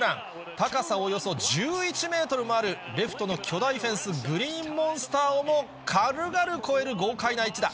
高さおよそ１１メートルもある、レフトの巨大フェンス、グリーンモンスターをも軽々越える豪快な一打。